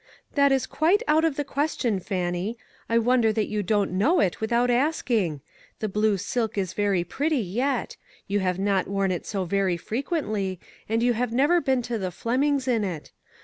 " That is quite out of the question, Fan nie ; I wonder that you don't know it with out asking. The blue silk is very pretty yet; you have not worn it so very frequently, and you have never been to the Flemings' in it.